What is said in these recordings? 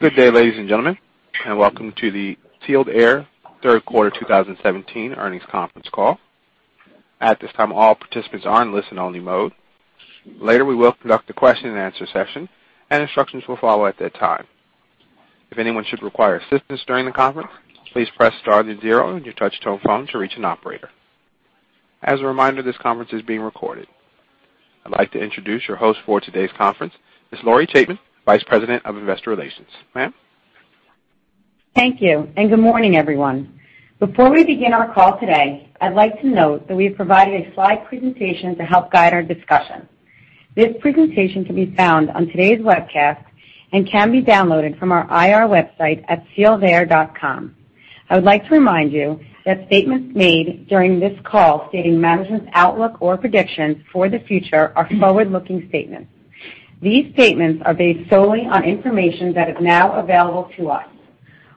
Good day, ladies and gentlemen, and welcome to the Sealed Air Third Quarter 2017 earnings conference call. At this time, all participants are in listen only mode. Later, we will conduct a question and answer session, and instructions will follow at that time. If anyone should require assistance during the conference, please press star and zero on your touch-tone phone to reach an operator. As a reminder, this conference is being recorded. I'd like to introduce your host for today's conference, Ms. Lori Chaitman, Vice President of Investor Relations. Ma'am. Thank you. Good morning, everyone. Before we begin our call today, I'd like to note that we have provided a slide presentation to help guide our discussion. This presentation can be found on today's webcast and can be downloaded from our IR website at sealedair.com. I would like to remind you that statements made during this call stating management's outlook or predictions for the future are forward-looking statements. These statements are based solely on information that is now available to us.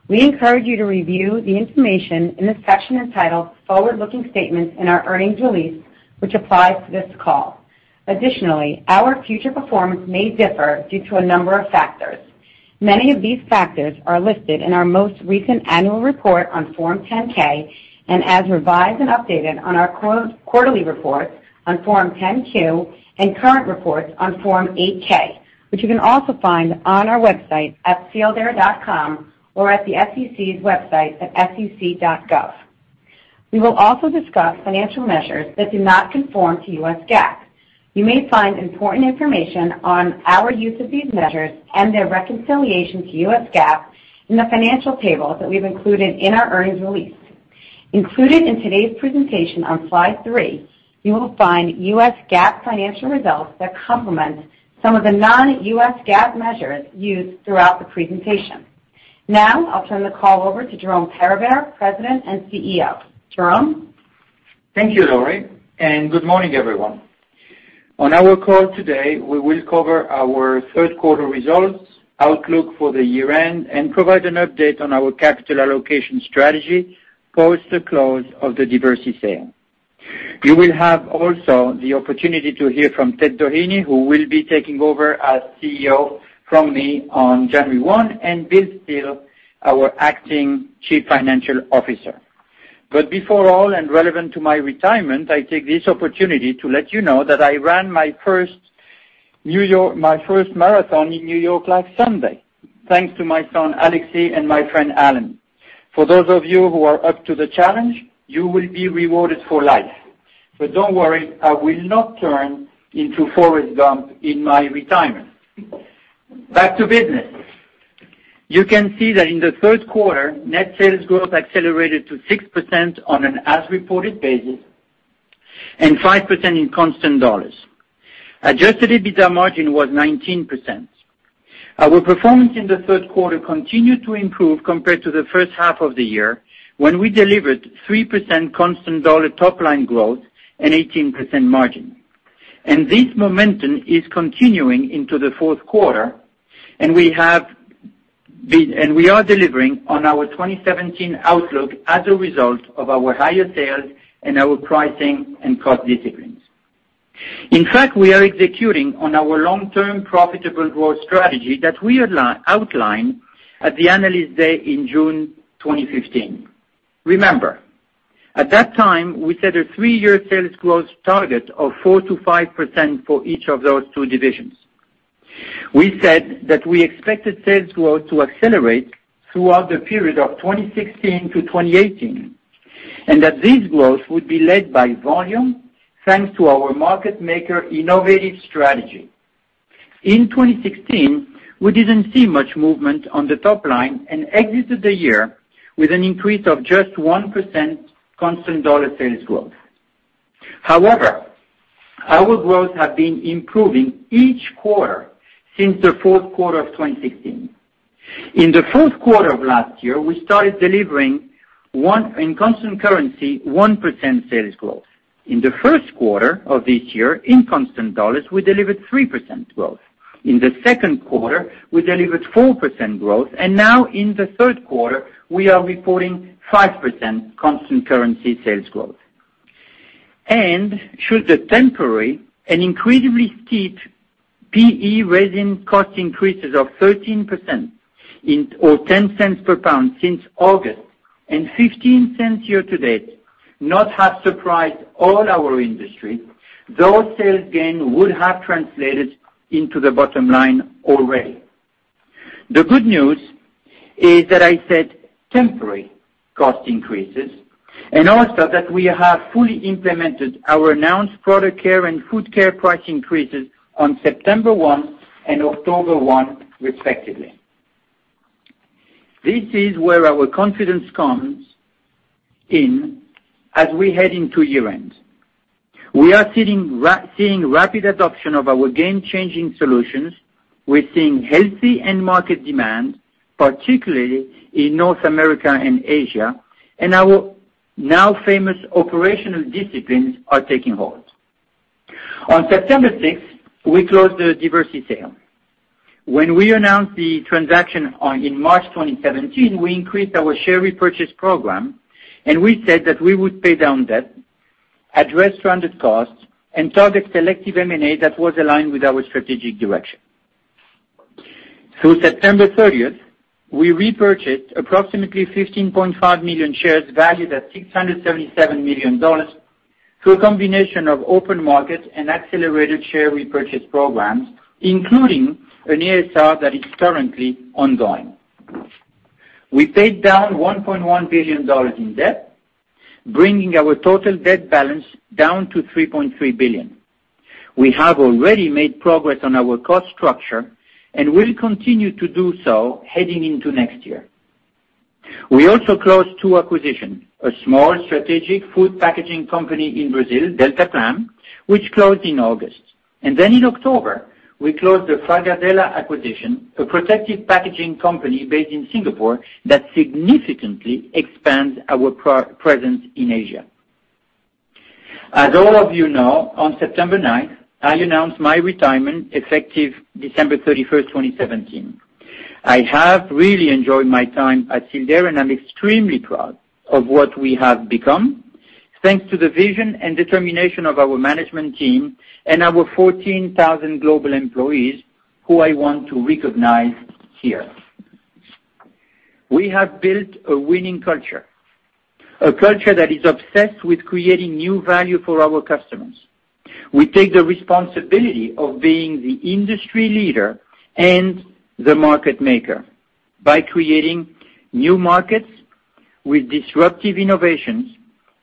We encourage you to review the information in the section entitled Forward-Looking Statements in our earnings release, which applies to this call. Additionally, our future performance may differ due to a number of factors. Many of these factors are listed in our most recent annual report on Form 10-K and as revised and updated on our quarterly reports on Form 10-Q and current reports on Form 8-K, which you can also find on our website at sealedair.com or at the SEC's website at sec.gov. We will also discuss financial measures that do not conform to U.S. GAAP. You may find important information on our use of these measures and their reconciliation to U.S. GAAP in the financial tables that we've included in our earnings release. Included in today's presentation on slide three, you will find U.S. GAAP financial results that complement some of the non-U.S. GAAP measures used throughout the presentation. I'll turn the call over to Jerome Peribere, President and CEO. Jerome? Thank you, Lori. Good morning, everyone. On our call today, we will cover our third quarter results, outlook for the year-end, and provide an update on our capital allocation strategy post the close of the Diversey sale. You will have also the opportunity to hear from Ted Doheny, who will be taking over as CEO from me on January 1, and Bill Stiehl, our acting Chief Financial Officer. Before all, and relevant to my retirement, I take this opportunity to let you know that I ran my first marathon in New York last Sunday, thanks to my son, Alexi, and my friend, Alan. For those of you who are up to the challenge, you will be rewarded for life. Don't worry, I will not turn into Forrest Gump in my retirement. Back to business. You can see that in the third quarter, net sales growth accelerated to 6% on an as-reported basis and 5% in constant dollars. Adjusted EBITDA margin was 19%. Our performance in the third quarter continued to improve compared to the first half of the year, when we delivered 3% constant dollar top-line growth and 18% margin. This momentum is continuing into the fourth quarter, and we are delivering on our 2017 outlook as a result of our higher sales and our pricing and cost disciplines. In fact, we are executing on our long-term profitable growth strategy that we outlined at the Analyst Day in June 2015. Remember, at that time, we set a three-year sales growth target of 4%-5% for each of those two divisions. We said that we expected sales growth to accelerate throughout the period of 2016-2018, and that this growth would be led by volume, thanks to our market maker innovative strategy. In 2016, we didn't see much movement on the top line and exited the year with an increase of just 1% constant dollar sales growth. However, our growth have been improving each quarter since the fourth quarter of 2016. In the fourth quarter of last year, we started delivering in constant currency, 1% sales growth. In the first quarter of this year, in constant dollars, we delivered 3% growth. In the second quarter, we delivered 4% growth, and now in the third quarter, we are reporting 5% constant currency sales growth. Should the temporary and incredibly steep PE resin cost increases of 13% or $0.10 per pound since August and $0.15 year-to-date not have surprised all our industry, those sales gain would have translated into the bottom line already. The good news is that I said temporary cost increases and also that we have fully implemented our announced Product Care and Food Care price increases on September 1 and October 1, respectively. This is where our confidence comes in as we head into year-end. We are seeing rapid adoption of our game-changing solutions. We're seeing healthy end market demand, particularly in North America and Asia, and our now famous operational disciplines are taking hold. On September 6th, we closed the Diversey sale. When we announced the transaction in March 2017, we increased our share repurchase program, and we said that we would pay down debt and address related costs and target selective M&A that was aligned with our strategic direction. Through September 30th, we repurchased approximately 15.5 million shares valued at $677 million through a combination of open market and accelerated share repurchase programs, including an ASR that is currently ongoing. We paid down $1.1 billion in debt, bringing our total debt balance down to $3.3 billion. We have already made progress on our cost structure and will continue to do so heading into next year. We also closed two acquisitions, a small strategic food packaging company in Brazil, Deltaplam, which closed in August. Then in October, we closed the Fagerdala acquisition, a protective packaging company based in Singapore that significantly expands our presence in Asia. As all of you know, on September 9th, I announced my retirement effective December 31st, 2017. I have really enjoyed my time at Sealed Air, and I am extremely proud of what we have become, thanks to the vision and determination of our management team and our 14,000 global employees, who I want to recognize here. We have built a winning culture, a culture that is obsessed with creating new value for our customers. We take the responsibility of being the industry leader and the market maker by creating new markets with disruptive innovations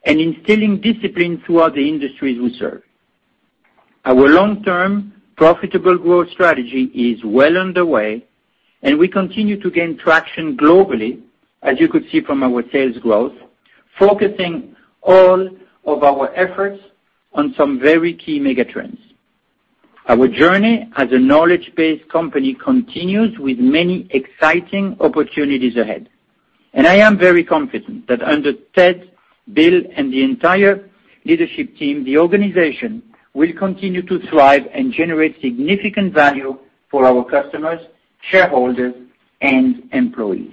and instilling discipline throughout the industries we serve. Our long-term profitable growth strategy is well underway, and we continue to gain traction globally, as you could see from our sales growth, focusing all of our efforts on some very key mega trends. Our journey as a knowledge-based company continues with many exciting opportunities ahead. I am very confident that under Ted, Bill, and the entire leadership team, the organization will continue to thrive and generate significant value for our customers, shareholders, and employees.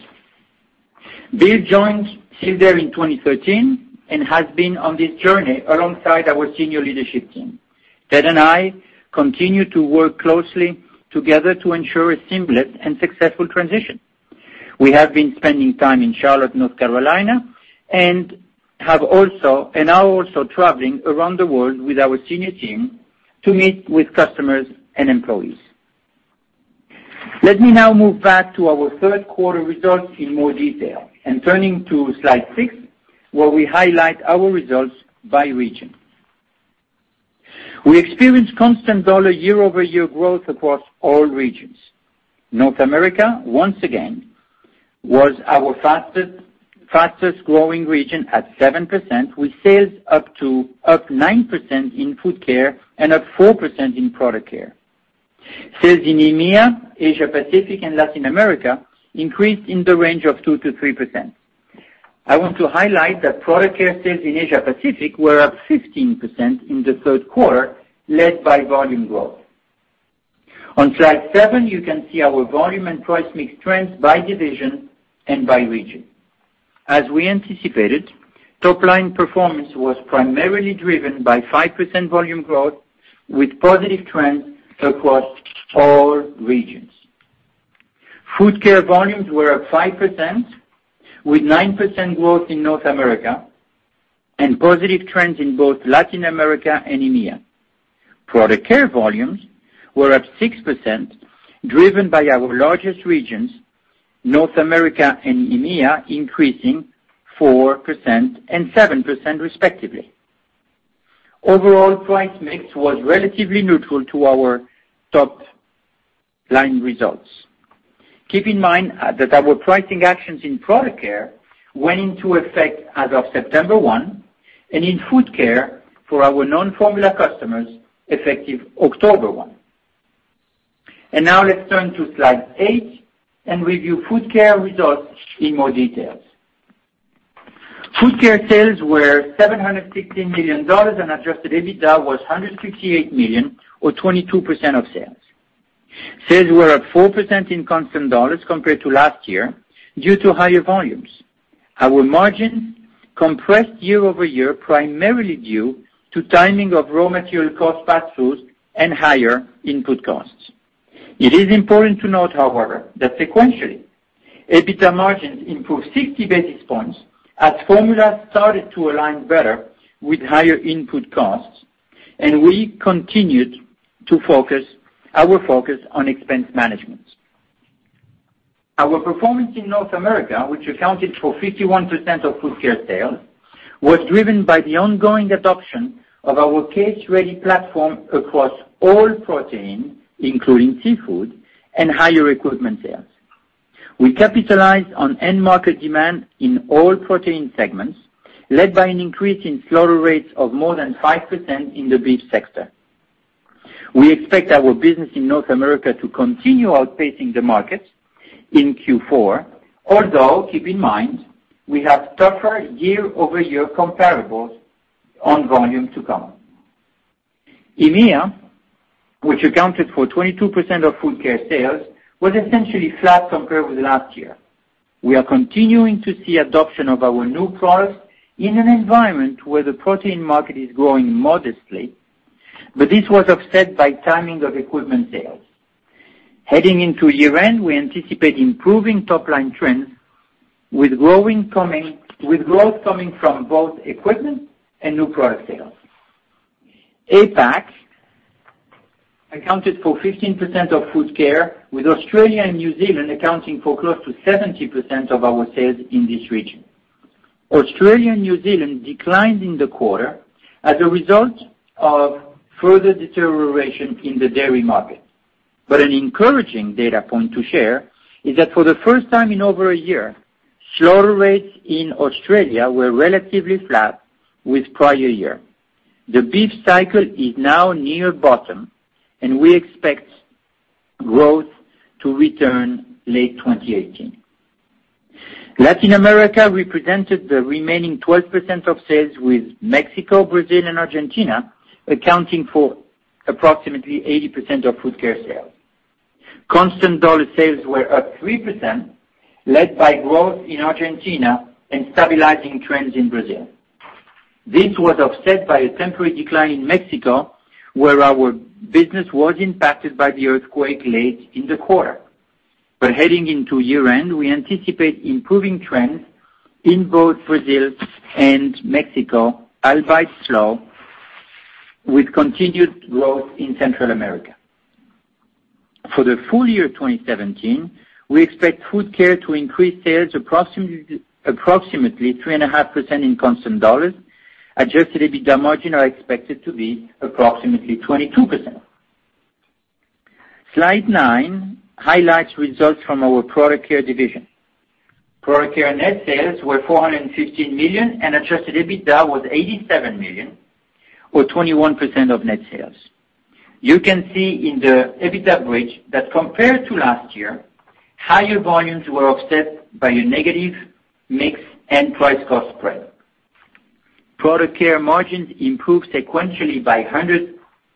Bill joined Sealed Air in 2013 and has been on this journey alongside our senior leadership team. Ted and I continue to work closely together to ensure a seamless and successful transition. We have been spending time in Charlotte, North Carolina, and are also traveling around the world with our senior team to meet with customers and employees. Let me now move back to our third quarter results in more detail, and turning to slide six, where we highlight our results by region. We experienced constant dollar year-over-year growth across all regions. North America, once again, was our fastest-growing region at 7%, with sales up 9% in Food Care and up 4% in Product Care. Sales in EMEA, Asia Pacific, and Latin America increased in the range of 2%-3%. I want to highlight that Product Care sales in Asia Pacific were up 15% in the third quarter, led by volume growth. On slide seven, you can see our volume and price mix trends by division and by region. As we anticipated, top-line performance was primarily driven by 5% volume growth with positive trends across all regions. Food Care volumes were up 5%, with 9% growth in North America and positive trends in both Latin America and EMEA. Product Care volumes were up 6%, driven by our largest regions, North America and EMEA, increasing 4% and 7% respectively. Overall price mix was relatively neutral to our top-line results. Keep in mind that our pricing actions in Product Care went into effect as of September 1, and in Food Care for our non-formula customers effective October 1. Now let's turn to slide eight and review Food Care results in more details. Food Care sales were $716 million, and adjusted EBITDA was $158 million or 22% of sales. Sales were up 4% in constant dollars compared to last year due to higher volumes. Our margin compressed year-over-year, primarily due to timing of raw material cost pass-throughs and higher input costs. It is important to note, however, that sequentially, EBITDA margins improved 60 basis points as formula started to align better with higher input costs, and we continued our focus on expense management. Our performance in North America, which accounted for 51% of Food Care sales, was driven by the ongoing adoption of our case-ready platform across all protein, including seafood and higher equipment sales. We capitalized on end-market demand in all protein segments, led by an increase in slaughter rates of more than 5% in the beef sector. We expect our business in North America to continue outpacing the market in Q4, although keep in mind, we have tougher year-over-year comparables on volume to come. EMEA, which accounted for 22% of Food Care sales, was essentially flat compared with last year. We are continuing to see adoption of our new products in an environment where the protein market is growing modestly. This was offset by timing of equipment sales. Heading into year-end, we anticipate improving top-line trends with growth coming from both equipment and new product sales. APAC accounted for 15% of Food Care, with Australia and New Zealand accounting for close to 70% of our sales in this region. Australia and New Zealand declined in the quarter as a result of further deterioration in the dairy market. An encouraging data point to share is that for the first time in over a year, slaughter rates in Australia were relatively flat with prior year. The beef cycle is now near bottom, and we expect growth to return late 2018. Latin America represented the remaining 12% of sales, with Mexico, Brazil, and Argentina accounting for approximately 80% of Food Care sales. Constant dollar sales were up 3%, led by growth in Argentina and stabilizing trends in Brazil. This was offset by a temporary decline in Mexico, where our business was impacted by the earthquake late in the quarter. Heading into year-end, we anticipate improving trends in both Brazil and Mexico, albeit slow, with continued growth in Central America. For the full year 2017, we expect Food Care to increase sales approximately 3.5% in constant dollars. Adjusted EBITDA margin are expected to be approximately 22%. Slide nine highlights results from our Product Care division. Product Care net sales were $415 million, and adjusted EBITDA was $87 million, or 21% of net sales. You can see in the EBITDA bridge that compared to last year, higher volumes were offset by a negative mix and price-cost spread. Product Care margins improved sequentially by 100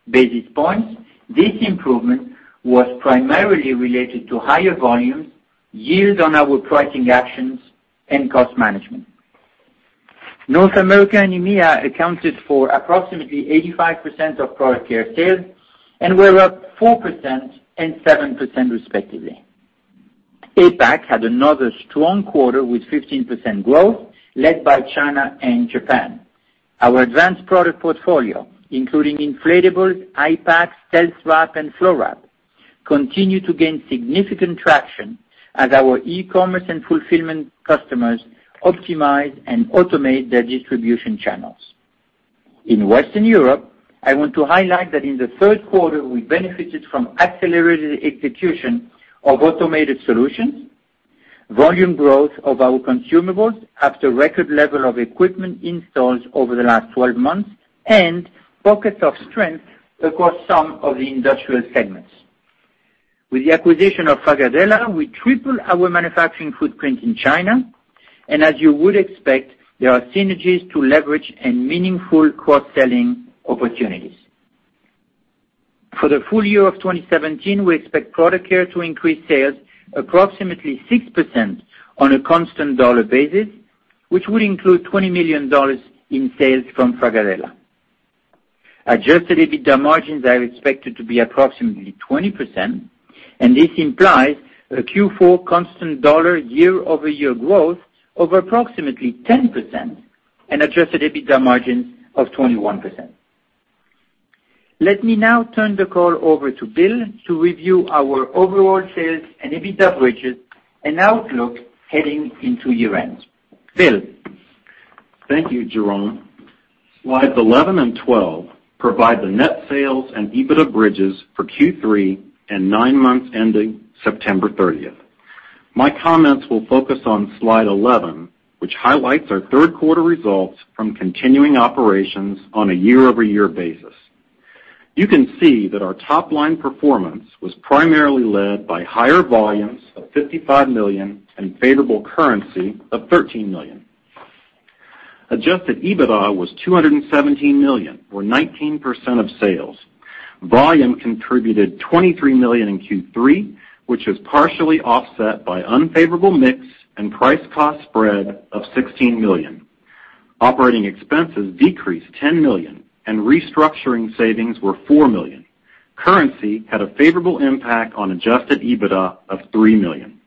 basis points. This improvement was primarily related to higher volumes, yield on our pricing actions, and cost management. North America and EMEA accounted for approximately 85% of Product Care sales and were up 4% and 7% respectively. APAC had another strong quarter with 15% growth led by China and Japan. Our advanced product portfolio, including inflatables, I-Packs, StealthWrap, and FlowWrap, continue to gain significant traction as our e-commerce and fulfillment customers optimize and automate their distribution channels. In Western Europe, I want to highlight that in the third quarter, we benefited from accelerated execution of automated solutions, volume growth of our consumables after record level of equipment installs over the last 12 months, and pockets of strength across some of the industrial segments. With the acquisition of Fagerdala, we triple our manufacturing footprint in China, and as you would expect, there are synergies to leverage and meaningful cross-selling opportunities. For the full year of 2017, we expect Product Care to increase sales approximately 6% on a constant dollar basis, which would include $20 million in sales from Fagerdala. Adjusted EBITDA margins are expected to be approximately 20%. This implies a Q4 constant dollar year-over-year growth of approximately 10% and adjusted EBITDA margins of 21%. Let me now turn the call over to Bill to review our overall sales and EBITDA bridges and outlook heading into year-end. Bill. Thank you, Jerome. Slides 11 and 12 provide the net sales and EBITDA bridges for Q3 and nine months ending September 30th. My comments will focus on Slide 11, which highlights our third quarter results from continuing operations on a year-over-year basis. You can see that our top-line performance was primarily led by higher volumes of $55 million and favorable currency of $13 million. Adjusted EBITDA was $217 million, or 19% of sales. Volume contributed $23 million in Q3, which was partially offset by unfavorable mix and price-cost spread of $16 million. Operating expenses decreased $10 million. Restructuring savings were $4 million. Currency had a favorable impact on adjusted EBITDA of $3 million.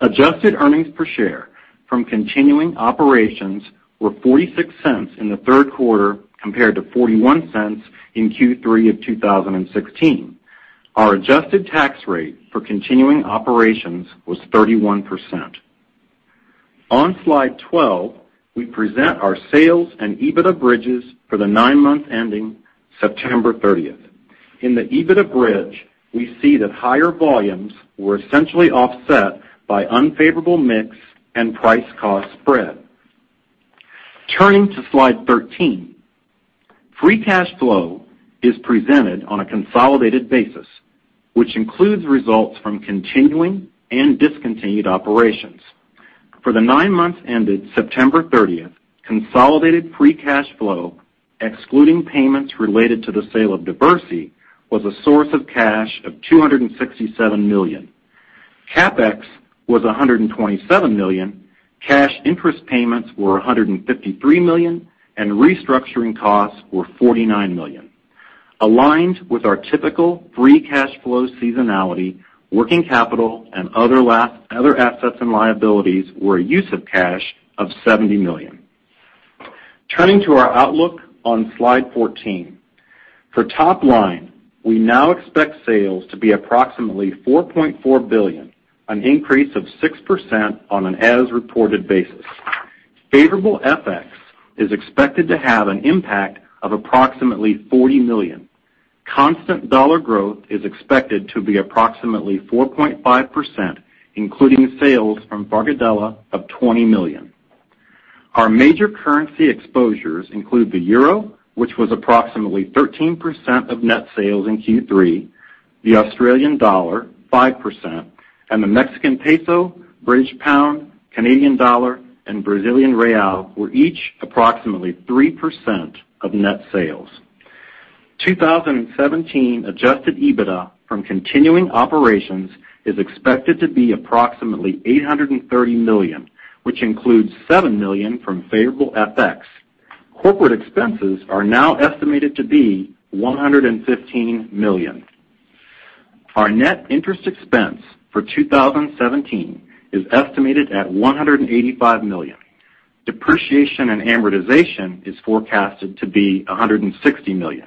Adjusted earnings per share from continuing operations were $0.46 in the third quarter, compared to $0.41 in Q3 of 2016. Our adjusted tax rate for continuing operations was 31%. On Slide 12, we present our sales and EBITDA bridges for the nine months ending September 30th. In the EBITDA bridge, we see that higher volumes were essentially offset by unfavorable mix and price-cost spread. Turning to Slide 13, free cash flow is presented on a consolidated basis, which includes results from continuing and discontinued operations. For the nine months ended September 30th, consolidated free cash flow, excluding payments related to the sale of Diversey, was a source of cash of $267 million. CapEx was $127 million. Cash interest payments were $153 million. Restructuring costs were $49 million. Aligned with our typical free cash flow seasonality, working capital and other assets and liabilities were a use of cash of $70 million. Turning to our outlook on Slide 14. For top line, we now expect sales to be approximately $4.4 billion, an increase of 6% on an as-reported basis. Favorable FX is expected to have an impact of approximately $40 million. Constant dollar growth is expected to be approximately 4.5%, including sales from Fagerdala of $20 million. Our major currency exposures include the euro, which was approximately 13% of net sales in Q3, the Australian dollar 5%. The Mexican peso, British pound, Canadian dollar, and Brazilian real were each approximately 3% of net sales. 2017 adjusted EBITDA from continuing operations is expected to be approximately $830 million, which includes $7 million from favorable FX. Corporate expenses are now estimated to be $115 million. Our net interest expense for 2017 is estimated at $185 million. Depreciation and amortization is forecasted to be $160 million.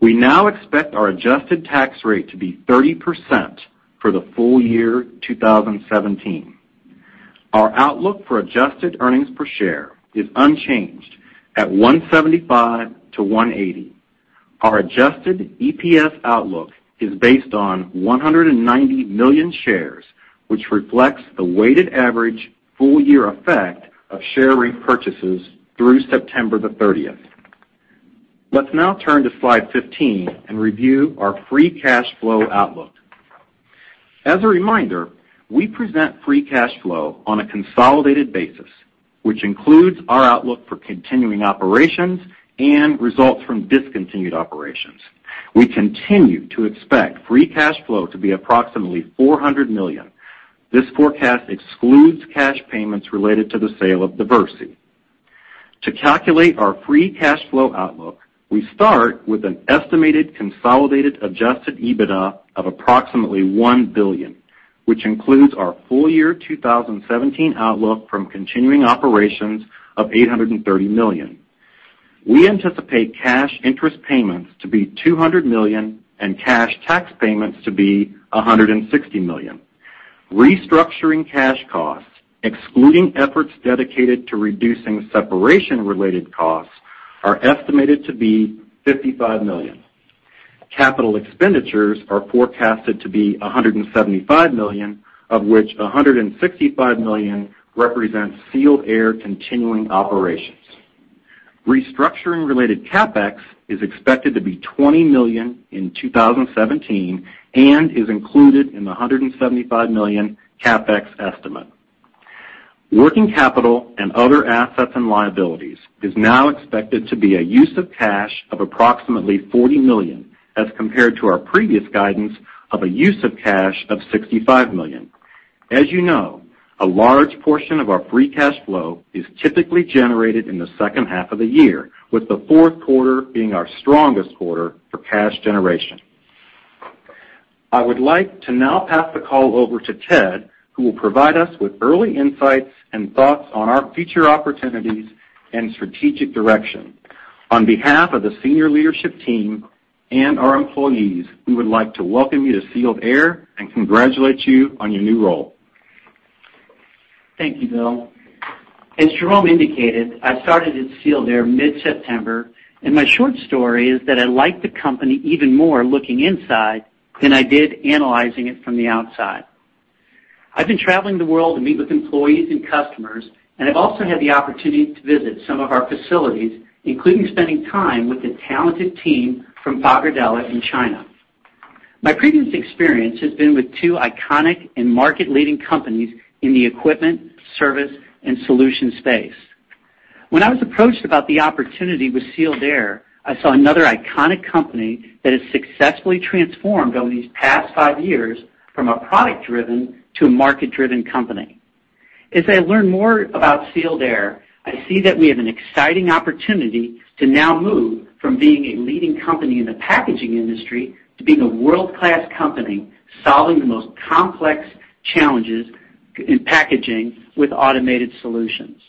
We now expect our adjusted tax rate to be 30% for the full year 2017. Our outlook for adjusted earnings per share is unchanged at $175-$180. Our adjusted EPS outlook is based on 190 million shares, which reflects the weighted average full-year effect of share repurchases through September 30th. Let's now turn to Slide 15 and review our free cash flow outlook. As a reminder, we present free cash flow on a consolidated basis, which includes our outlook for continuing operations and results from discontinued operations. We continue to expect free cash flow to be approximately $400 million. This forecast excludes cash payments related to the sale of Diversey. To calculate our free cash flow outlook, we start with an estimated consolidated adjusted EBITDA of approximately $1 billion, which includes our full-year 2017 outlook from continuing operations of $830 million. We anticipate cash interest payments to be $200 million and cash tax payments to be $160 million. Restructuring cash costs, excluding efforts dedicated to reducing separation-related costs, are estimated to be $55 million. Capital expenditures are forecasted to be $175 million, of which $165 million represents Sealed Air continuing operations. Restructuring-related CapEx is expected to be $20 million in 2017 and is included in the $175 million CapEx estimate. Working capital and other assets and liabilities is now expected to be a use of cash of approximately $40 million as compared to our previous guidance of a use of cash of $65 million. As you know, a large portion of our free cash flow is typically generated in the second half of the year, with the fourth quarter being our strongest quarter for cash generation. I would like to now pass the call over to Ted, who will provide us with early insights and thoughts on our future opportunities and strategic direction. On behalf of the senior leadership team and our employees, we would like to welcome you to Sealed Air and congratulate you on your new role. Thank you, Bill. As Jerome indicated, I started at Sealed Air mid-September, and my short story is that I like the company even more looking inside than I did analyzing it from the outside. I've been traveling the world to meet with employees and customers, and I've also had the opportunity to visit some of our facilities, including spending time with the talented team from Fagerdala in China. My previous experience has been with two iconic and market-leading companies in the equipment, service, and solution space. When I was approached about the opportunity with Sealed Air, I saw another iconic company that has successfully transformed over these past five years from a product-driven to a market-driven company. As I learn more about Sealed Air, I see that we have an exciting opportunity to now move from being a leading company in the packaging industry to being a world-class company, solving the most complex challenges in packaging with automated solutions.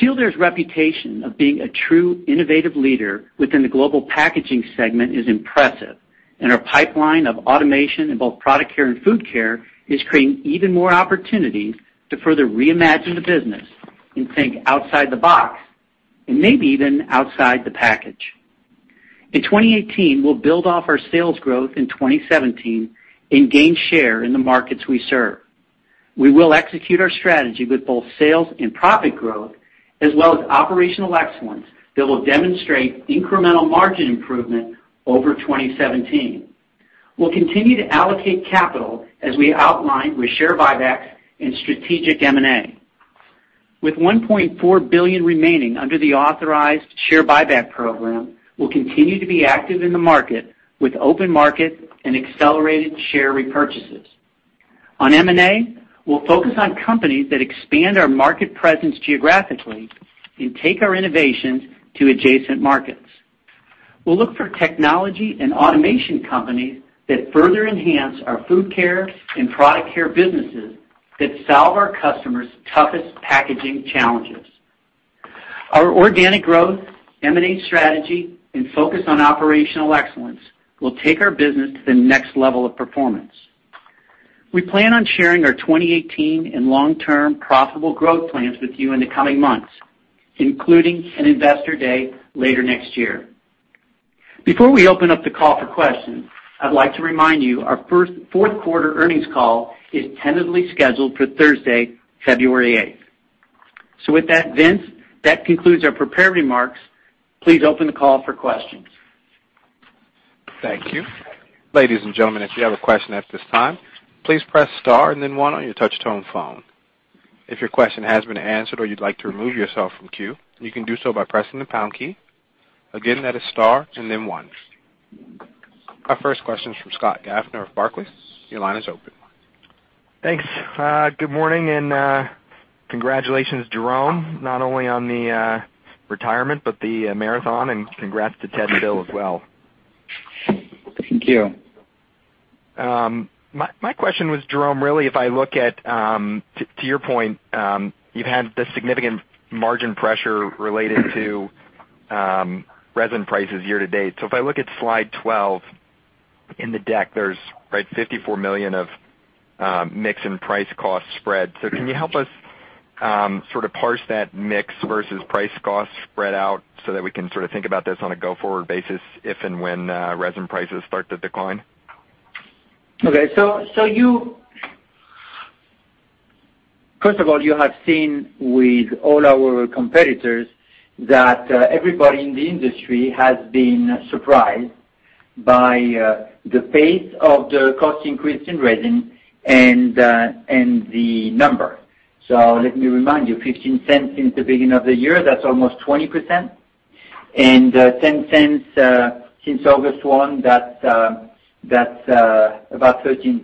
Sealed Air's reputation of being a true innovative leader within the global packaging segment is impressive, and our pipeline of automation in both Product Care and Food Care is creating even more opportunities to further reimagine the business and think outside the box, and maybe even outside the package. In 2018, we will build off our sales growth in 2017 and gain share in the markets we serve. We will execute our strategy with both sales and profit growth, as well as operational excellence that will demonstrate incremental margin improvement over 2017. We will continue to allocate capital as we outlined with share buybacks and strategic M&A. With $1.4 billion remaining under the authorized share buyback program, we will continue to be active in the market with open market and accelerated share repurchases. On M&A, we will focus on companies that expand our market presence geographically and take our innovations to adjacent markets. We will look for technology and automation companies that further enhance our Food Care and Product Care businesses that solve our customers' toughest packaging challenges. Our organic growth, M&A strategy, and focus on operational excellence will take our business to the next level of performance. We plan on sharing our 2018 and long-term profitable growth plans with you in the coming months, including an investor day later next year. Before we open up the call for questions, I would like to remind you, our fourth-quarter earnings call is tentatively scheduled for Thursday, February 8th. With that, Vince, that concludes our prepared remarks. Please open the call for questions. Thank you. Ladies and gentlemen, if you have a question at this time, please press star and then one on your touch-tone phone. If your question has been answered or you would like to remove yourself from queue, you can do so by pressing the pound key. Again, that is star and then one. Our first question is from Scott Gaffner of Barclays. Your line is open. Thanks. Good morning, congratulations, Jerome, not only on the retirement but the marathon, and congrats to Ted and Bill as well. Thank you. My question was, Jerome, really, if I look at, to your point, you've had the significant margin pressure related to resin prices year to date. If I look at slide 12 in the deck, there's $54 million of mix and price cost spread. Can you help us sort of parse that mix versus price cost spread out so that we can sort of think about this on a go-forward basis if and when resin prices start to decline? Okay. First of all, you have seen with all our competitors that everybody in the industry has been surprised by the pace of the cost increase in resin and the number. Let me remind you, $0.15 since the beginning of the year, that's almost 20%, and $0.10 since August 1, that's about 13%.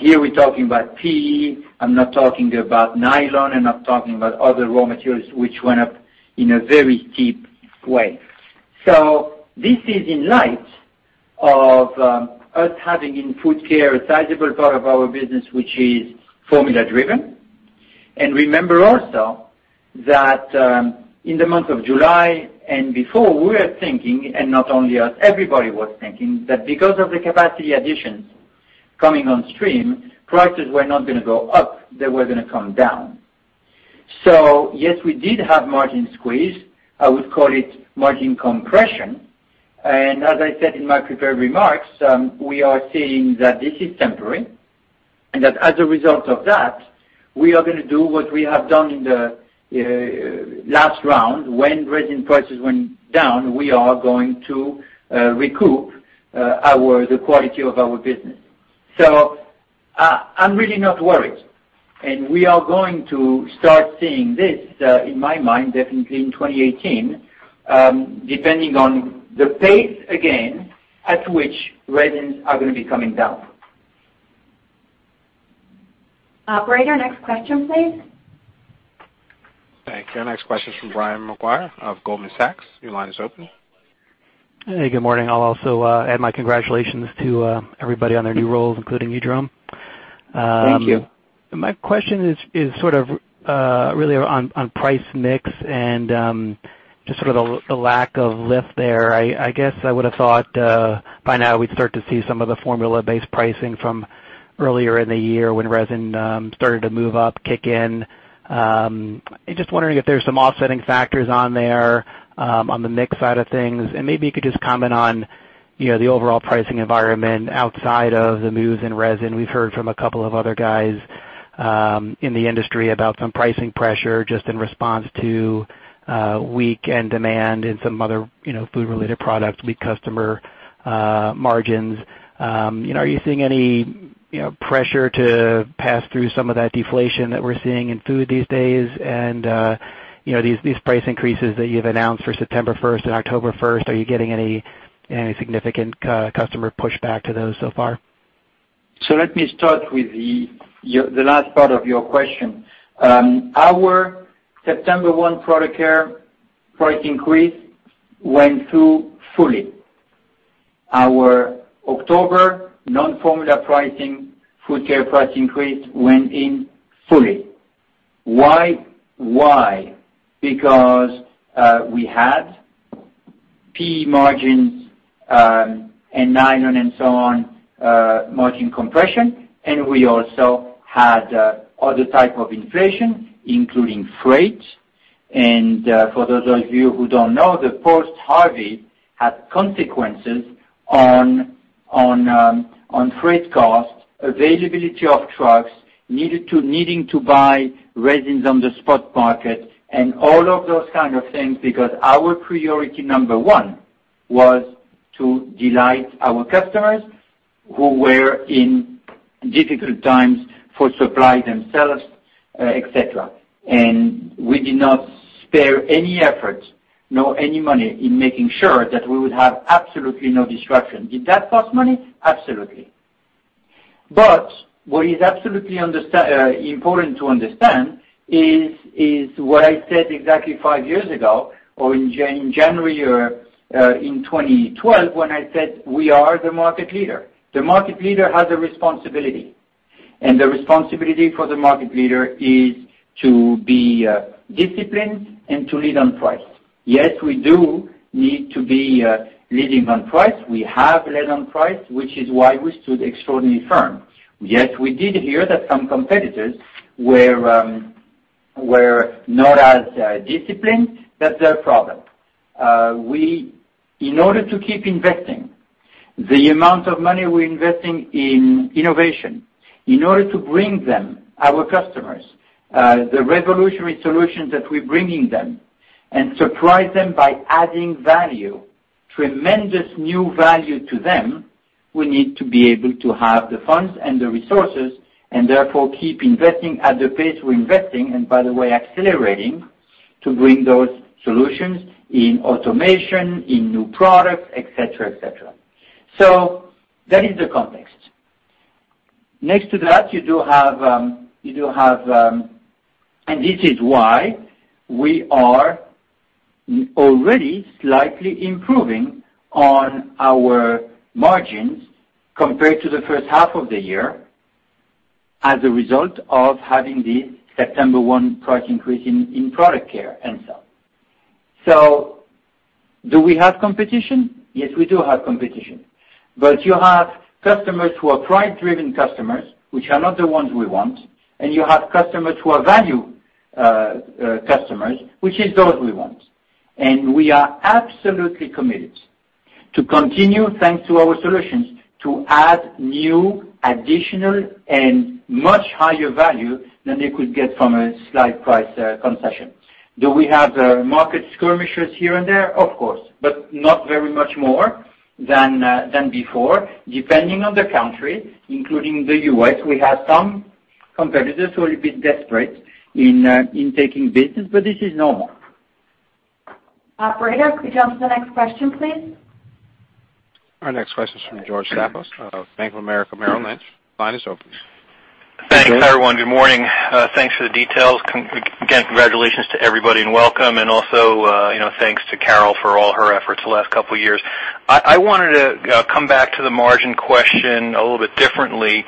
Here we're talking about PE, I'm not talking about nylon, I'm not talking about other raw materials, which went up in a very steep way. This is in light of us having in Food Care a sizable part of our business which is formula-driven. Remember also that in the month of July and before, we were thinking, and not only us, everybody was thinking, that because of the capacity additions coming on stream, prices were not going to go up, they were going to come down. Yes, we did have margin squeeze. I would call it margin compression. As I said in my prepared remarks, we are seeing that this is temporary and that as a result of that, we are going to do what we have done in the last round. When resin prices went down, we are going to recoup the quality of our business. I'm really not worried. We are going to start seeing this, in my mind, definitely in 2018, depending on the pace, again, at which resins are going to be coming down. Operator, next question please. Thank you. Next question is from Brian Maguire of Goldman Sachs. Your line is open. Hey, good morning. I'll also add my congratulations to everybody on their new roles, including you, Jerome. Thank you. My question is sort of really on price mix and just sort of the lack of lift there. I guess I would have thought by now we'd start to see some of the formula-based pricing from earlier in the year when resin started to move up, kick in. I'm just wondering if there's some offsetting factors on there on the mix side of things, and maybe you could just comment on the overall pricing environment outside of the moves in resin. We've heard from a couple of other guys in the industry about some pricing pressure just in response to weak end demand in some other food-related products, weak customer margins. Are you seeing any pressure to pass through some of that deflation that we're seeing in food these days? These price increases that you've announced for September 1st and October 1st, are you getting any significant customer pushback to those so far? Let me start with the last part of your question. Our September 1 Product Care price increase went through fully. Our October non-formula pricing Food Care price increase went in fully. Why? Because we had PE margins, and nylon and so on, margin compression, and we also had other type of inflation, including freight. For those of you who don't know, the post-Harvey had consequences on freight cost, availability of trucks, needing to buy resins on the spot market and all of those kind of things. Because our priority number 1 was to delight our customers Who were in difficult times for supply themselves, et cetera. We did not spare any effort, nor any money in making sure that we would have absolutely no disruption. Did that cost money? Absolutely. What is absolutely important to understand is what I said exactly five years ago, or in January or in 2012, when I said we are the market leader. The market leader has a responsibility, and the responsibility for the market leader is to be disciplined and to lead on price. Yes, we do need to be leading on price. We have led on price, which is why we stood extraordinary firm. Yes, we did hear that some competitors were not as disciplined. That's their problem. In order to keep investing the amount of money we're investing in innovation, in order to bring them, our customers, the revolutionary solutions that we're bringing them and surprise them by adding value, tremendous new value to them, we need to be able to have the funds and the resources, and therefore, keep investing at the pace we're investing. By the way, accelerating to bring those solutions in automation, in new products, et cetera. That is the context. Next to that, you do have— and this is why we are already slightly improving on our margins compared to the first half of the year as a result of having the September 1 price increase in Product Care and so. Do we have competition? Yes, we do have competition. You have customers who are price-driven customers, which are not the ones we want, and you have customers who are value customers, which is those we want. We are absolutely committed to continue, thanks to our solutions, to add new, additional, and much higher value than they could get from a slight price concession. Do we have market skirmishes here and there? Of course, but not very much more than before. Depending on the country, including the U.S., we have some competitors who are a bit desperate in taking business, but this is normal. Operator, could we go to the next question, please? Our next question is from George Staphos of Bank of America Merrill Lynch. Line is open. George. Thanks, everyone. Good morning. Thanks for the details. Again, congratulations to everybody and welcome, and also, thanks to Carol for all her efforts the last couple of years. I wanted to come back to the margin question a little bit differently.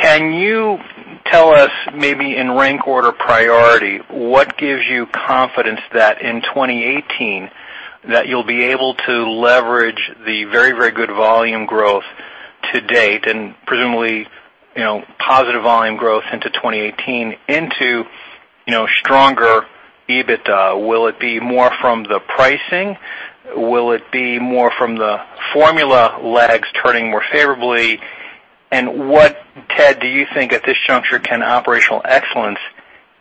Can you tell us maybe in rank order priority, what gives you confidence that in 2018, that you'll be able to leverage the very, very good volume growth to date and presumably, positive volume growth into 2018 into stronger EBITDA? Will it be more from the pricing? Will it be more from the formula lags turning more favorably? What, Ted, do you think at this juncture can operational excellence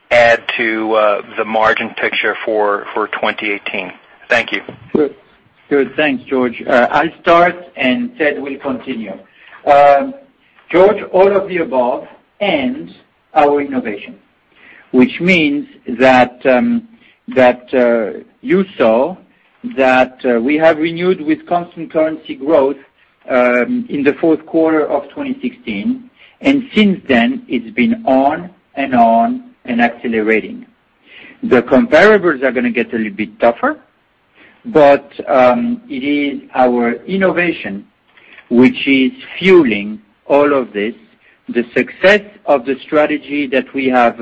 add to the margin picture for 2018? Thank you. Sure. Thanks, George. I'll start, and Ted will continue. George, all of the above and our innovation, which means that you saw that we have renewed with constant currency growth in the fourth quarter of 2016. Since then it's been on and on and accelerating. The comparables are going to get a little bit tougher, but it is our innovation which is fueling all of this. The success of the strategy that we have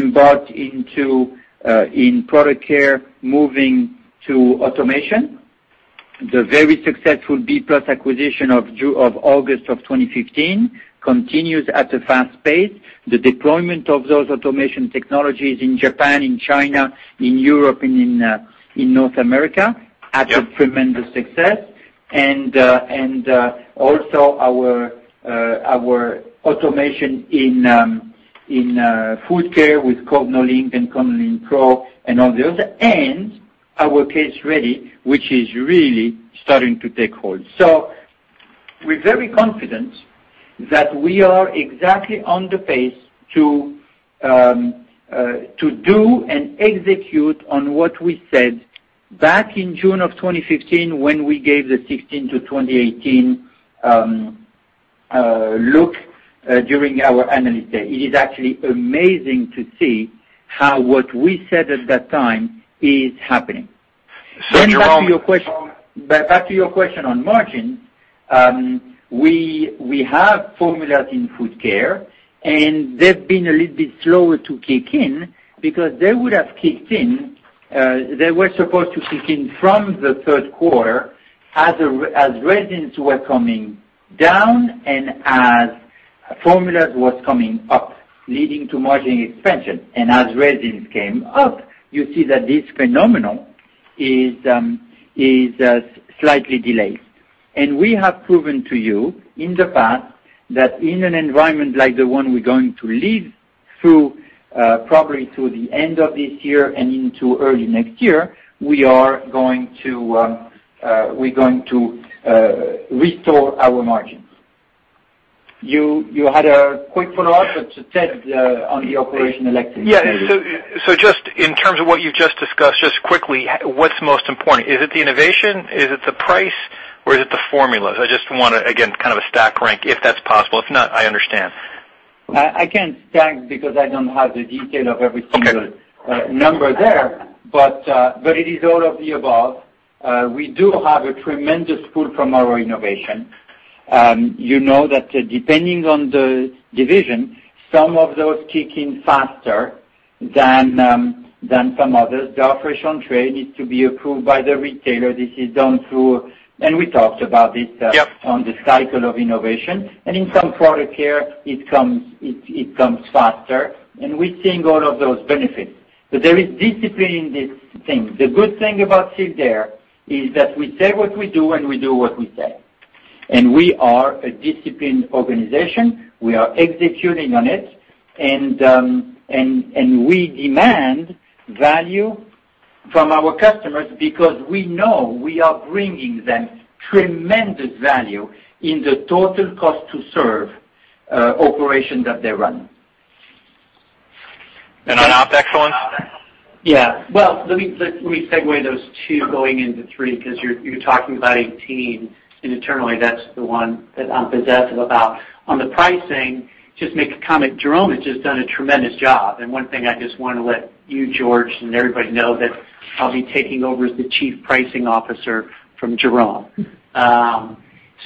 embarked in Product Care moving to automation. The very successful B+ Equipment acquisition of August of 2015 continues at a fast pace. The deployment of those automation technologies in Japan, in China, in Europe and in North America- Yeah had a tremendous success. Also our automation in Food Care with [Cornolink and Cornolink] Pro and all the others, and our case-ready, which is really starting to take hold. We're very confident that we are exactly on the pace to do and execute on what we said back in June of 2015 when we gave the 2016 to 2018 look during our analyst day. It is actually amazing to see how what we said at that time is happening. Jerome. Back to your question on margin. We have formulas in Food Care, they've been a little bit slower to kick in because they were supposed to kick in from the third quarter as resins were coming down and as formulas was coming up, leading to margin expansion. As resins came up, you see that this phenomenon is slightly delayed. We have proven to you in the past that in an environment like the one we're going to live through probably to the end of this year and into early next year, we are going to restore our margins. You had a quick follow-up, Ted, on the operational excellence? Yeah. Just in terms of what you've just discussed, just quickly, what's most important? Is it the innovation? Is it the price? Or is it the formulas? I just want to, again, kind of a stack rank, if that's possible. If not, I understand. I can't stack because I don't have the detail of every single- Okay number there, but it is all of the above. We do have a tremendous pull from our innovation. You know that depending on the division, some of those kick in faster than some others. The [operation trade] needs to be approved by the retailer. Yep on this cycle of innovation. In some Product Care, it comes faster, and we're seeing all of those benefits. There is discipline in this thing. The good thing about Sealed Air is that we say what we do, and we do what we say. We are a disciplined organization. We are executing on it. We demand value from our customers because we know we are bringing them tremendous value in the total cost to serve operations that they run. On OpEx excellence? Yeah. Well, let me segue those two going into three because you're talking about 2018, and internally, that's the one that I'm possessive about. On the pricing, just make a comment, Jerome has just done a tremendous job. One thing I just want to let you, George, and everybody know that I'll be taking over as the Chief Pricing Officer from Jerome.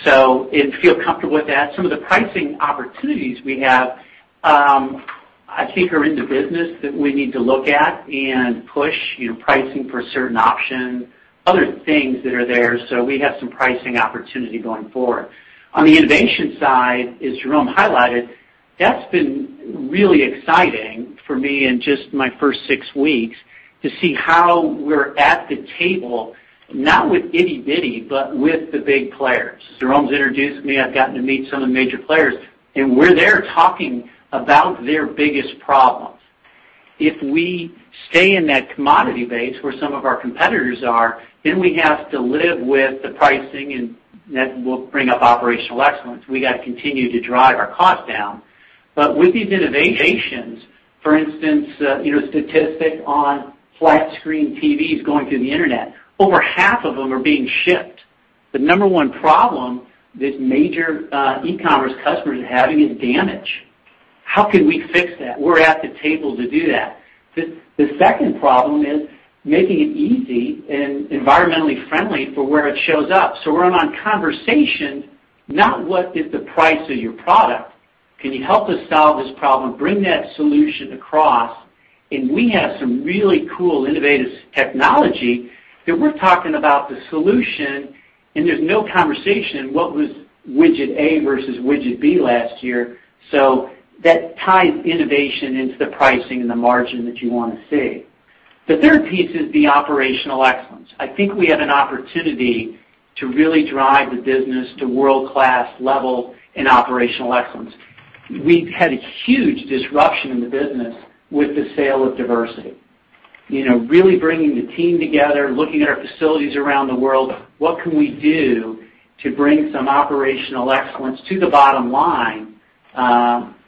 Feel comfortable with that. Some of the pricing opportunities we have, I think are in the business that we need to look at and push pricing for certain options, other things that are there. We have some pricing opportunity going forward. On the innovation side, as Jerome highlighted, that's been really exciting for me in just my first six weeks to see how we're at the table, not with itty-bitty, but with the big players. Jerome's introduced me. I've gotten to meet some of the major players, we're there talking about their biggest problems. If we stay in that commodity base where some of our competitors are, we have to live with the pricing and that will bring up operational excellence. We got to continue to drive our cost down. With these innovations, for instance, statistic on flat-screen TVs going through the Internet, over half of them are being shipped. The number 1 problem this major e-commerce customer is having is damage. How can we fix that? We're at the table to do that. The second problem is making it easy and environmentally friendly for where it shows up. We're in on conversation, not what is the price of your product. Can you help us solve this problem? Bring that solution across, we have some really cool innovative technology that we're talking about the solution, there's no conversation in what was widget A versus widget B last year. That ties innovation into the pricing and the margin that you want to see. The third piece is the operational excellence. I think we have an opportunity to really drive the business to world-class level in operational excellence. We've had a huge disruption in the business with the sale of Diversey. Really bringing the team together, looking at our facilities around the world. What can we do to bring some operational excellence to the bottom line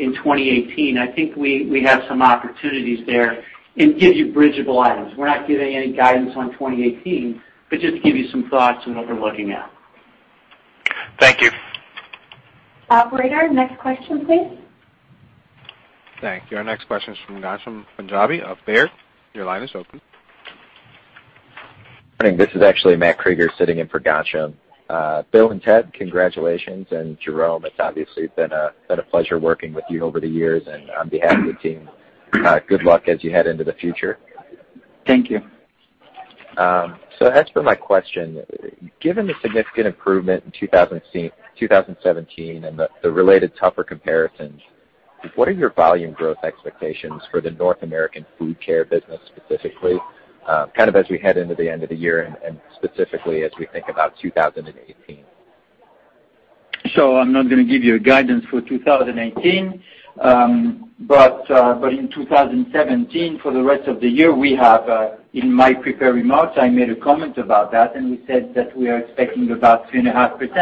in 2018? I think we have some opportunities there and give you bridgeable items. We're not giving any guidance on 2018, but just to give you some thoughts on what we're looking at. Thank you. Operator, next question, please. Thank you. Our next question is from Ghansham Panjabi of Baird. Your line is open. Good morning. This is actually Matt Krueger sitting in for Ghansham. Bill and Ted, congratulations. Jerome, it's obviously been a pleasure working with you over the years and on behalf of the team, good luck as you head into the future. Thank you. Ted, my question. Given the significant improvement in 2017 and the related tougher comparisons, what are your volume growth expectations for the North American Food Care business specifically, kind of as we head into the end of the year and specifically as we think about 2018? I'm not going to give you guidance for 2018. In 2017, for the rest of the year, we have, in my prepared remarks, I made a comment about that, and we said that we are expecting about 3.5%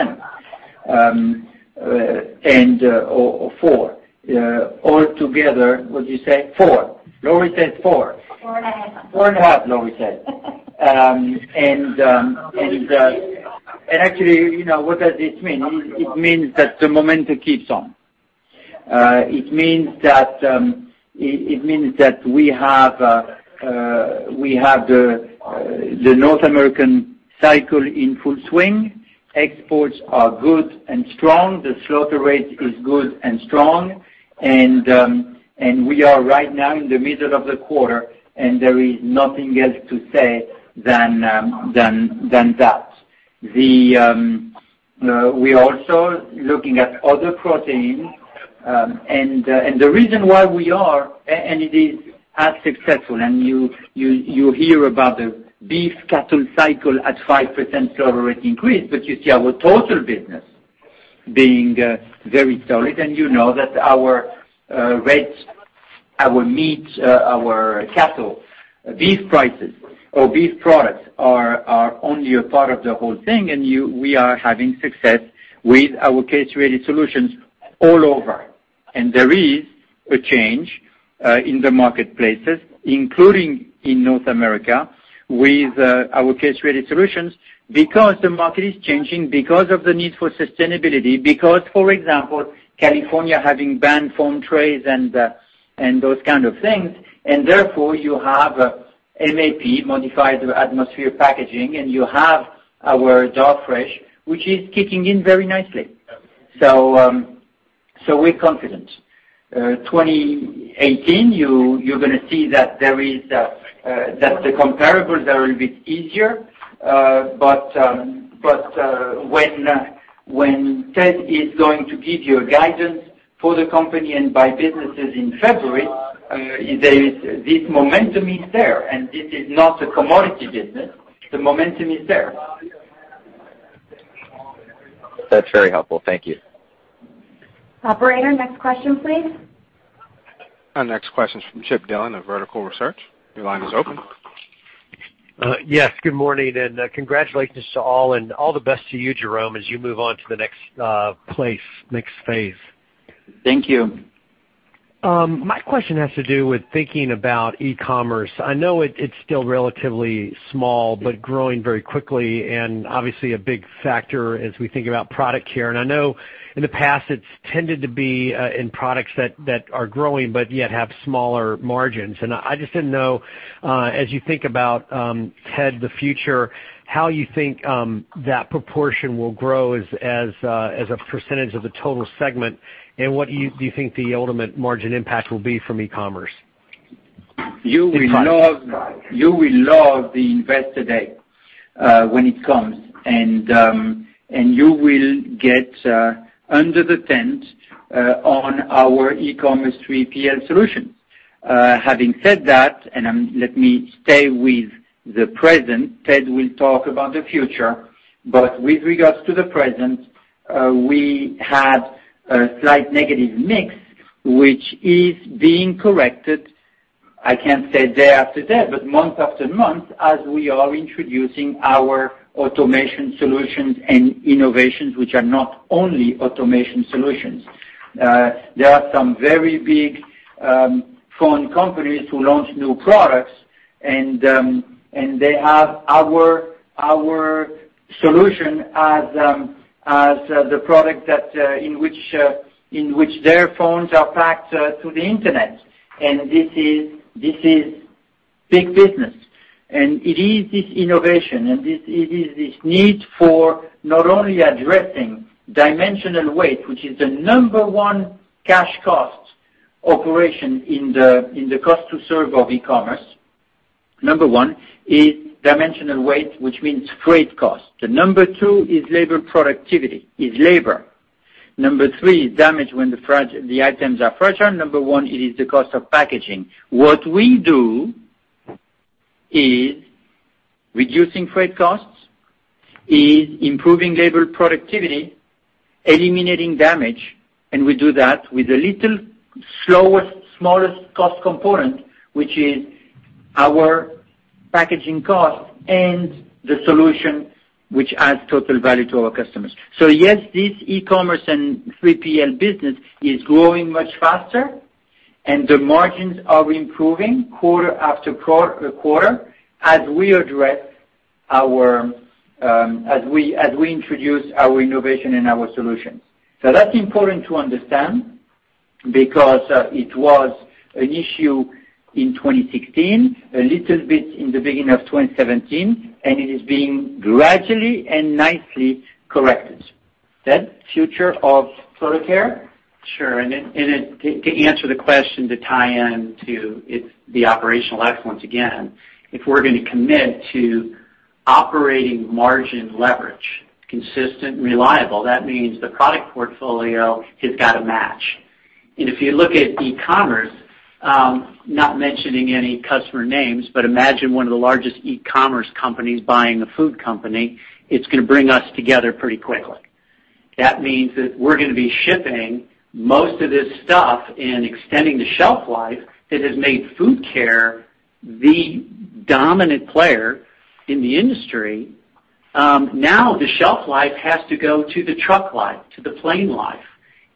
or 4%. All together, what did you say? Four. Lori says four. 4.5. 4.5, Lori says. Actually, what does this mean? It means that the momentum keeps on. It means that we have the North American cycle in full swing. Exports are good and strong. The slaughter rate is good and strong. We are right now in the middle of the quarter, and there is nothing else to say than that. We're also looking at other proteins, and the reason why we are, and it is as successful, and you hear about the beef cattle cycle at 5% slaughter rate increase, but you see our total business being very solid, and you know that our rates, our meat, our cattle, beef prices or beef products are only a part of the whole thing, and we are having success with our case-ready solutions all over. There is a change in the marketplaces, including in North America, with our case-ready solutions because the market is changing, because of the need for sustainability, because, for example, California having banned foam trays and those kind of things. Therefore, you have MAP, modified atmosphere packaging, and you have our Darfresh, which is kicking in very nicely. We're confident. 2018, you're going to see that the comparables are a bit easier. When Ted is going to give you guidance for the company and by businesses in February, this momentum is there, and this is not a commodity business. The momentum is there. That's very helpful. Thank you. Operator, next question, please. Our next question is from Chip Dillon of Vertical Research. Your line is open. Yes, good morning, and congratulations to all, and all the best to you, Jerome, as you move on to the next place, next phase. Thank you. My question has to do with thinking about e-commerce. I know it's still relatively small, but growing very quickly and obviously a big factor as we think about Product Care. I know, in the past, it's tended to be in products that are growing but yet have smaller margins. I just didn't know, as you think about, Ted, the future, how you think that proportion will grow as a percentage of the total segment, and what do you think the ultimate margin impact will be from e-commerce? You will love the Investor Day when it comes, you will get under the tent on our e-commerce 3PL solutions. Having said that, let me stay with the present, Ted will talk about the future. With regards to the present, we had a slight negative mix, which is being corrected, I can't say day after day, but month after month, as we are introducing our automation solutions and innovations, which are not only automation solutions. There are some very big phone companies who launch new products, and they have our solution as the product in which their phones are packed to the internet. This is big business. It is this innovation, it is this need for not only addressing dimensional weight, which is the number 1 cash cost operation in the cost to serve of e-commerce. Number 1 is dimensional weight, which means freight cost. The number 2 is labor productivity, is labor. Number 3 is damage when the items are fragile. Number 1, it is the cost of packaging. What we do is reducing freight costs, is improving labor productivity, eliminating damage, we do that with a little slower, smallest cost component, which is our packaging cost and the solution, which adds total value to our customers. Yes, this e-commerce and 3PL business is growing much faster, the margins are improving quarter after quarter as we introduce our innovation and our solutions. That's important to understand because it was an issue in 2016, a little bit in the beginning of 2017, it is being gradually and nicely corrected. Ted, future of Food Care? Sure. To answer the question to tie in to it's the operational excellence again. If we're going to commit to operating margin leverage, consistent and reliable, that means the product portfolio has got to match. If you look at e-commerce, I'm not mentioning any customer names, but imagine one of the largest e-commerce companies buying a food company, it's going to bring us together pretty quickly. That means that we're going to be shipping most of this stuff and extending the shelf life that has made Food Care the dominant player in the industry. Now, the shelf life has to go to the truck life, to the plane life.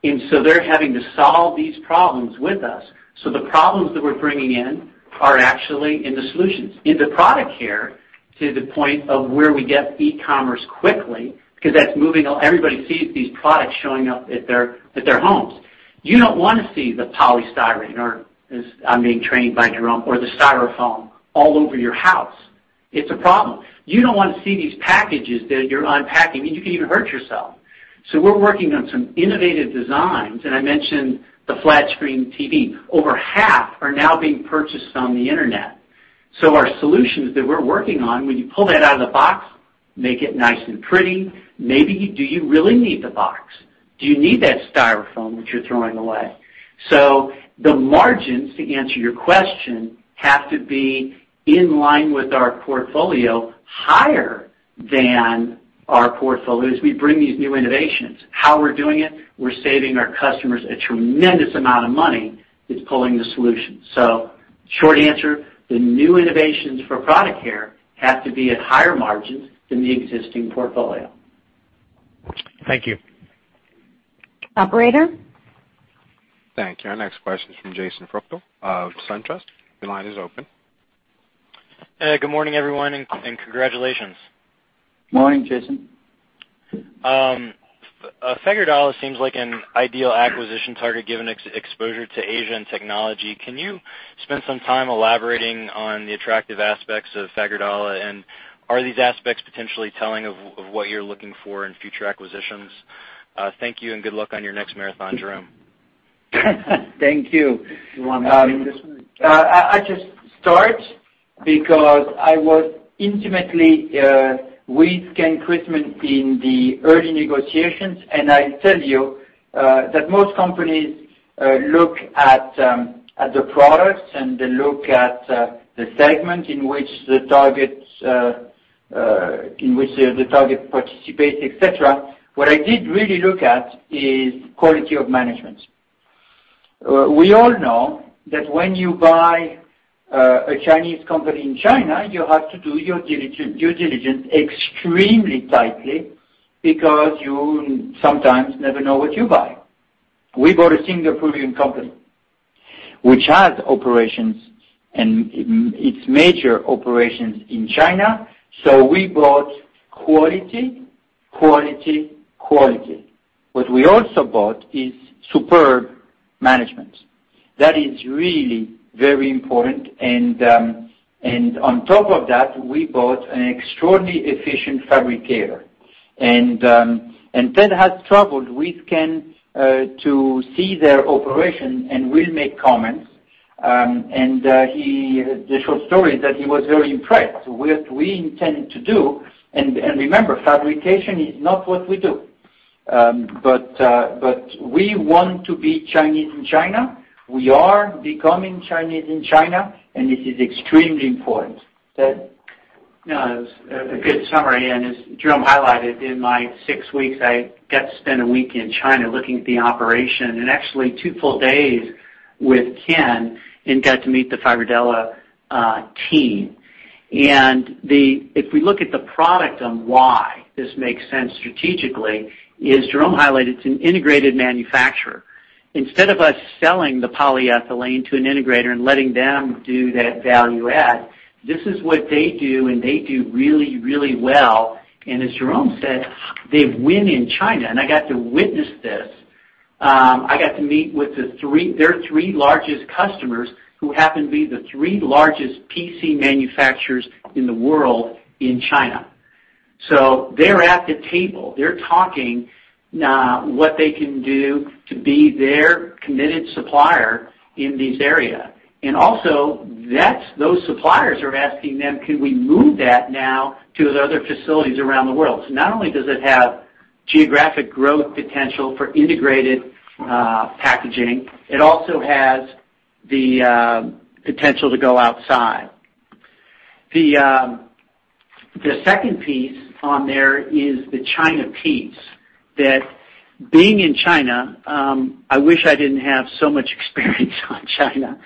They're having to solve these problems with us. The problems that we're bringing in are actually in the solutions. In the Product Care, to the point of where we get e-commerce quickly because that's moving. Everybody sees these products showing up at their homes. You don't want to see the polystyrene or, as I'm being trained by Jerome, or the Styrofoam all over your house. It's a problem. You don't want to see these packages that you're unpacking, and you can even hurt yourself. We're working on some innovative designs, and I mentioned the flat-screen TV. Over half are now being purchased on the internet. Our solutions that we're working on, when you pull that out of the box, make it nice and pretty. Maybe, do you really need the box? Do you need that Styrofoam, which you're throwing away? The margins, to answer your question, have to be in line with our portfolio. Higher than our portfolios. We bring these new innovations. How we're doing it, we're saving our customers a tremendous amount of money is pulling the solution. Short answer, the new innovations for Product Care have to be at higher margins than the existing portfolio. Thank you. Operator? Thank you. Our next question is from Jason Freuchtel of SunTrust. Your line is open. Hey, good morning, everyone, congratulations. Morning, Jason. Fagerdala seems like an ideal acquisition target given its exposure to Asian technology. Can you spend some time elaborating on the attractive aspects of Fagerdala? Are these aspects potentially telling of what you're looking for in future acquisitions? Thank you, and good luck on your next marathon, Jerome. Thank you. You want me to take this one? I just start because I was intimately with Kenneth Chrisman in the early negotiations. I tell you, that most companies look at the product and they look at the segment in which the target participates, et cetera. What I did really look at is quality of management. We all know that when you buy a Chinese company in China, you have to do your due diligence extremely tightly because you sometimes never know what you buy. We bought a Singaporean company which has operations and its major operations in China. We bought quality, quality. What we also bought is superb management. That is really very important. On top of that, we bought an extraordinarily efficient fabricator. Ted has traveled with Ken, to see their operation and will make comments. The short story is that he was very impressed with what we intended to do, and remember, fabrication is not what we do. We want to be Chinese in China. We are becoming Chinese in China. This is extremely important. Ted? It was a good summary. As Jerome highlighted, in my six weeks, I got to spend a week in China looking at the operation and actually two full days with Ken and got to meet the Fagerdala team. If we look at the product on why this makes sense strategically, is Jerome highlighted it's an integrated manufacturer. Instead of us selling the polyethylene to an integrator and letting them do that value add, this is what they do, and they do really, really well. As Jerome said, they win in China, and I got to witness this. I got to meet with their three largest customers who happen to be the three largest PC manufacturers in the world in China. They're at the table. They're talking what they can do to be their committed supplier in this area. Also those suppliers are asking them, "Can we move that now to the other facilities around the world?" Not only does it have geographic growth potential for integrated packaging, it also has the potential to go outside. The second piece on there is the China piece. That being in China, I wish I didn't have so much experience on China.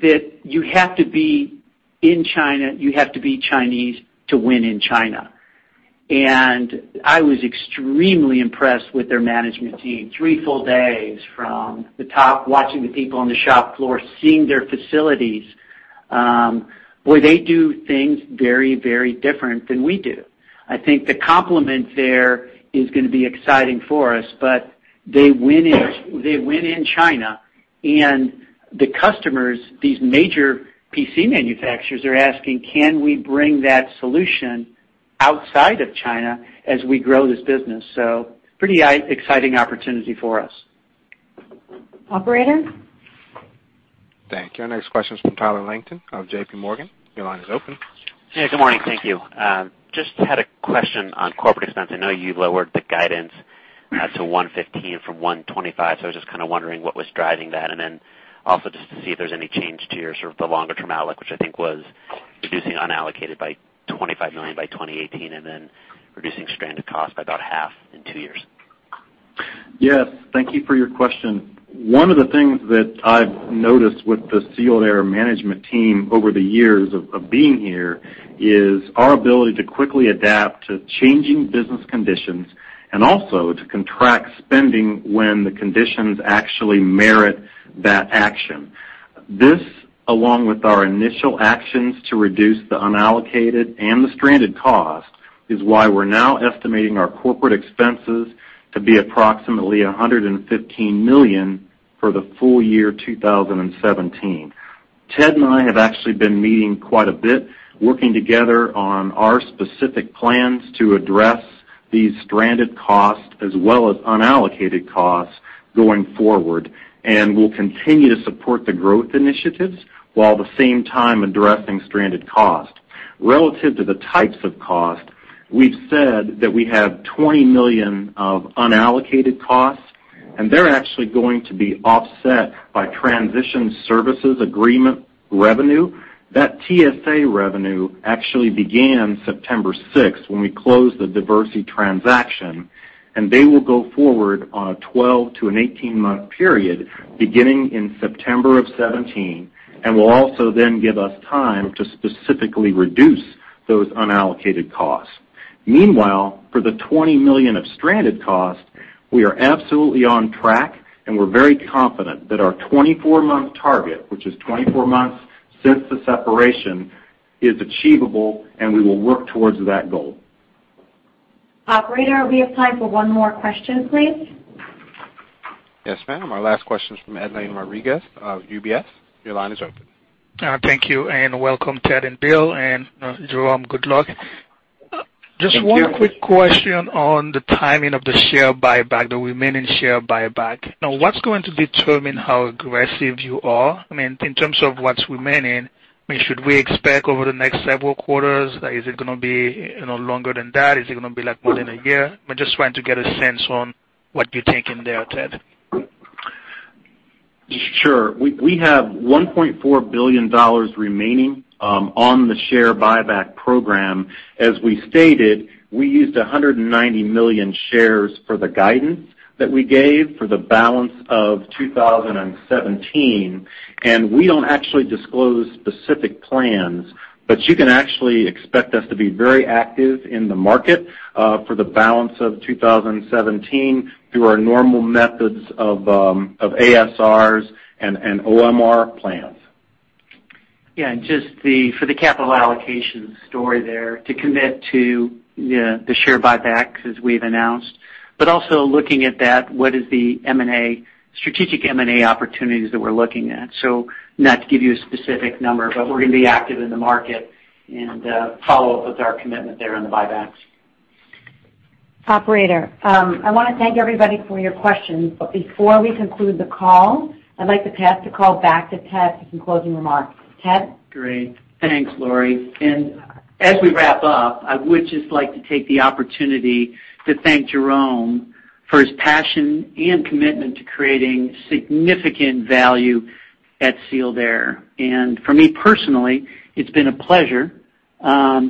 That you have to be in China, you have to be Chinese to win in China. I was extremely impressed with their management team. Three full days from the top, watching the people on the shop floor, seeing their facilities, where they do things very, very different than we do. I think the complement there is going to be exciting for us, they win in China and the customers, these major PC manufacturers, are asking, "Can we bring that solution outside of China as we grow this business?" Pretty exciting opportunity for us. Operator? Thank you. Our next question is from Tyler Langton of J.P. Morgan. Your line is open. Yeah, good morning. Thank you. Just had a question on corporate expense. I know you've lowered the guidance to $115 from $125. I was just kind of wondering what was driving that. Also just to see if there's any change to your sort of the longer-term outlook, which I think was reducing unallocated by $25 million by 2018 and then reducing stranded cost by about half in two years. Yes. Thank you for your question. One of the things that I've noticed with the Sealed Air management team over the years of being here is our ability to quickly adapt to changing business conditions and also to contract spending when the conditions actually merit that action. This, along with our initial actions to reduce the unallocated and the stranded cost, is why we're now estimating our corporate expenses to be approximately $115 million for the full year 2017. Ted and I have actually been meeting quite a bit, working together on our specific plans to address these stranded costs as well as unallocated costs going forward. We'll continue to support the growth initiatives while at the same time addressing stranded costs. Relative to the types of costs, we've said that we have $20 million of unallocated costs They're actually going to be offset by transition services agreement revenue. That TSA revenue actually began September 6th when we closed the Diversey transaction, and they will go forward on a 12 to an 18-month period beginning in September of 2017, and will also then give us time to specifically reduce those unallocated costs. Meanwhile, for the $20 million of stranded costs, we are absolutely on track, and we're very confident that our 24-month target, which is 24 months since the separation, is achievable, and we will work towards that goal. Operator, we have time for one more question, please. Yes, ma'am. Our last question is from Edlain Rodriguez of UBS. Your line is open. Welcome, Ted and Bill. Jerome, good luck. Thank you. Just one quick question on the timing of the share buyback, the remaining share buyback. What's going to determine how aggressive you are? In terms of what's remaining, should we expect over the next several quarters, is it going to be longer than that? Is it going to be more than a year? I'm just trying to get a sense on what you're thinking there, Ted. Sure. We have $1.4 billion remaining on the share buyback program. As we stated, we used 190 million shares for the guidance that we gave for the balance of 2017. We don't actually disclose specific plans, but you can actually expect us to be very active in the market for the balance of 2017 through our normal methods of ASRs and OMR plans. Just for the capital allocation story there, to commit to the share buybacks as we've announced, looking at that, what is the strategic M&A opportunities that we're looking at? Not to give you a specific number, we're going to be active in the market and follow up with our commitment there on the buybacks. Operator, I want to thank everybody for your questions. Before we conclude the call, I'd like to pass the call back to Ted for some closing remarks. Ted? Great. Thanks, Lori. As we wrap up, I would just like to take the opportunity to thank Jerome for his passion and commitment to creating significant value at Sealed Air. For me personally, it's been a pleasure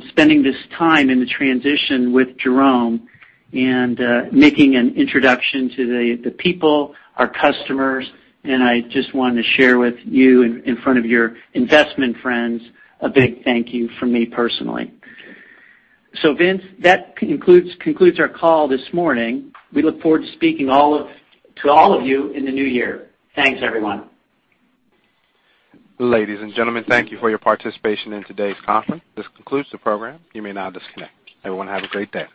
spending this time in the transition with Jerome and making an introduction to the people, our customers, and I just want to share with you in front of your investment friends, a big thank you from me personally. Vince, that concludes our call this morning. We look forward to speaking to all of you in the new year. Thanks, everyone. Ladies and gentlemen, thank you for your participation in today's conference. This concludes the program. You may now disconnect. Everyone have a great day.